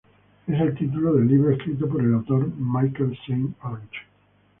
Es el título del libro escrito por el autor Michael Saint-Onge.